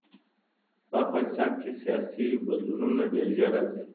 په افغانستان کې سیاسي بدلونونه ډېر ژر راځي.